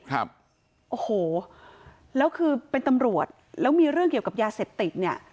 ครับโอ้โหแล้วคือเป็นตำรวจแล้วมีเรื่องเกี่ยวกับยาเสพติดเนี่ย